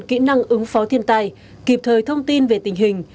kỹ năng ứng phó thiên tai kịp thời thông tin về tình hình